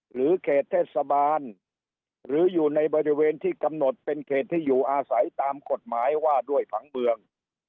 หรือเขตเทศบาลหรืออยู่ในบริเวณที่กำหนดเป็นเขตที่อยู่อาศัยตามกฎหมายว่าด้วยผังเมือง